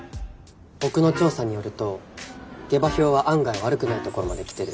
ボクの調査によると下馬評は案外悪くないところまで来てる。